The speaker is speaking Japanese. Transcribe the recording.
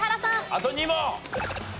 あと２問！